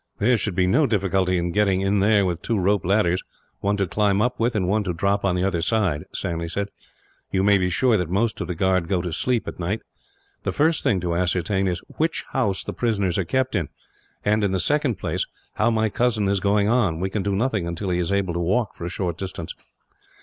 "There should be no difficulty in getting in there with two rope ladders one to climb up with, and one to drop on the other side," Stanley said. "You may be sure that most of the guard go to sleep, at night. The first thing to ascertain is which house the prisoners are kept in and, in the second place, how my cousin is going on. We can do nothing until he is able to walk for a short distance.